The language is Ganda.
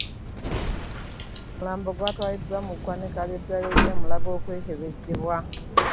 Omulambo gutwaliddwa mu ggwanika ly'eddwaliro e Mulago okwekebejjebwa